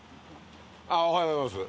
おはようございます。